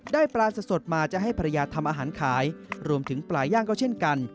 ปลาสดมาจะให้ภรรยาทำอาหารขายรวมถึงปลาย่างก็เช่นกัน